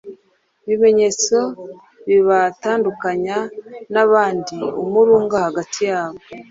ikimenyetso kibatandukanya n’abandi, umurunga hagati yabo,